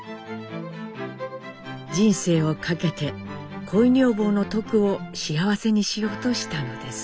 人生をかけて恋女房のトクを幸せにしようとしたのです。